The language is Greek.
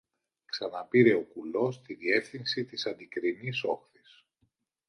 ξαναπήρε ο κουλός τη διεύθυνση της αντικρινής όχθης